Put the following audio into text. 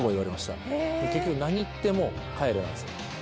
結局何言っても「帰れ」なんですよ。